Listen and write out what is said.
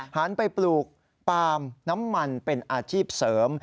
หันไปปลูกปาล์มน้ำมันเป็นอาชีพเสริม